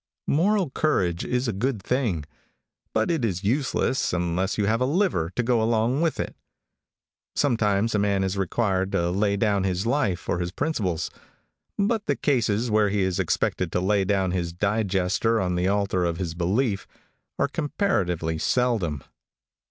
Moral courage is a good thing, but it is useless unless you have a liver to go along with it. Sometimes a man is required to lay down his life for his principles, but the cases where he is expected to lay down his digester on the altar of his belief, are comparatively seldom.